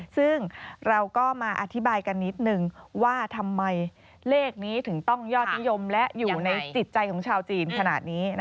ซึ่งเราก็มาอธิบายกันนิดนึงว่าทำไมเลขนี้ถึงต้องยอดนิยมและอยู่ในจิตใจของชาวจีนขนาดนี้